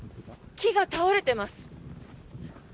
木が倒れてます。